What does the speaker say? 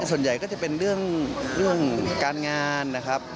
ส่วนใหญ่ก็จะเป็นเรื่องการงานนะครับ